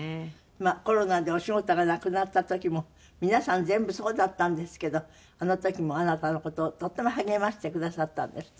まあコロナでお仕事がなくなった時も皆さん全部そうだったんですけどあの時もあなたの事とっても励ましてくださったんですって？